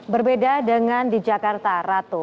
berbeda dengan di jakarta ratu